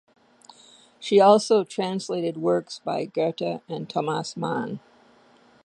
She also translated works by Goethe and Thomas Mann.